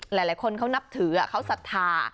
หลายคนเขานับถือเขาศรัทธา